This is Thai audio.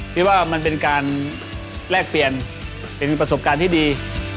คิดว่ามันเป็นการแลกเปลี่ยนเป็นประสบการณ์ที่ดี